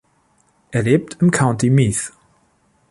Er lebt im County Meath.